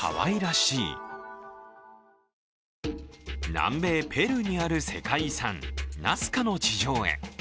南米ペルーにある世界遺産、ナスカの地上絵。